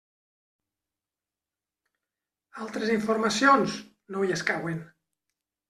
Altres informacions: no hi escauen.